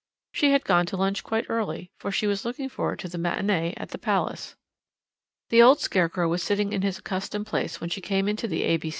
She had gone to lunch quite early, for she was looking forward to the matinée at the Palace. The old scarecrow was sitting in his accustomed place when she came into the A.